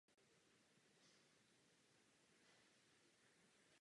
Parlament je v podstatě částečně rozdělen.